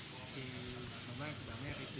หลังแม่หลังแม่ไปเตือนตัด